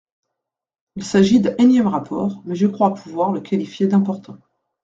Il s’agit d’un énième rapport – mais je crois pouvoir le qualifier d’important.